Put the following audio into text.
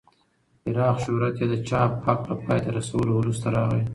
پراخ شهرت یې د چاپ حق له پای ته رسېدو وروسته راغی.